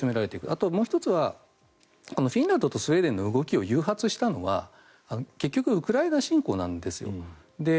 あともう１つはフィンランドとスウェーデンの動きを誘発したのは結局ウクライナ侵攻なんですよ。